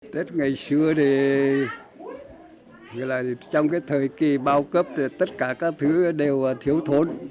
tết ngày xưa trong thời kỳ bao cấp tất cả các thứ đều thiếu thốn